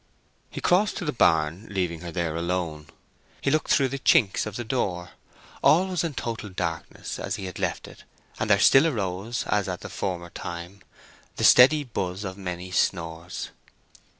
He crossed to the barn, leaving her there alone. He looked through the chinks of the door. All was in total darkness, as he had left it, and there still arose, as at the former time, the steady buzz of many snores.